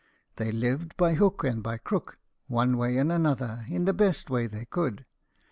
They lived by hook and by crook, one way and another, in the best way they could.